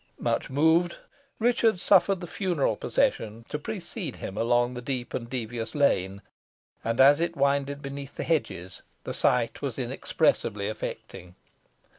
Much moved, Richard suffered the funeral procession to precede him along the deep and devious lane, and as it winded beneath the hedges, the sight was inexpressibly affecting.